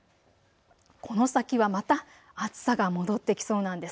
この先はまた暑さが戻ってきそうなんです。